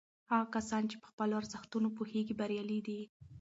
هغه کسان چې په خپلو ارزښتونو پوهیږي بریالي دي.